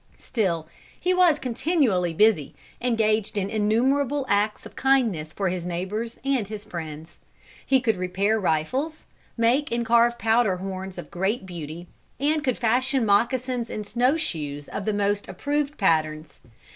Still he was continually busy, engaged in innumerable acts of kindness for his neighbors and his friends. He could repair rifles, make and carve powder horns of great beauty, and could fashion moccasins and snowshoes of the most approved patterns.